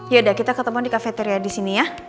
yaudah kita ketemuan di kafeteria di sini ya